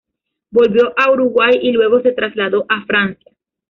Volvió a Uruguay y luego se trasladó a Francia.